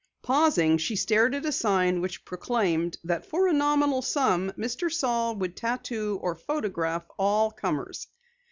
Pausing, she stared at a sign which proclaimed that for a nominal sum Mr. Saal would tattoo or photograph all comers.